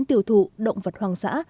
tiêu thụ động vật hoàng giã